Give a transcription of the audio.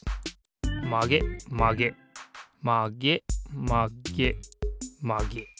まげまげまげまげまげ。